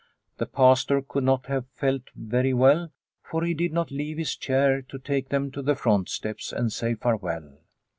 The Pastor could not have felt very well, for he did not leave his chair to take them to the front steps and say farewell.